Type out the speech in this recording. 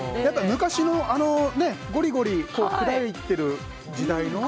昔のゴリゴリ砕いてる時代の。